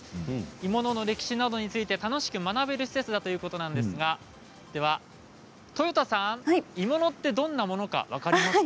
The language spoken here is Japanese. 鋳物の歴史などについて楽しく学べる施設だということなんですが豊田さん、鋳物ってどんなものか分かりますか？